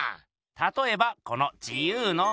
たとえばこの自由の女神。